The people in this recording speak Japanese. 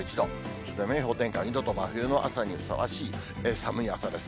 宇都宮氷点下２度と、真冬の朝にふさわしい寒い朝です。